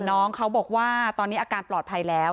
น้องเขาบอกว่าตอนนี้อาการปลอดภัยแล้ว